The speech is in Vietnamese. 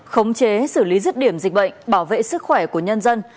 khống chế xử lý rứt điểm dịch bệnh bảo vệ sức khỏe của nhân dân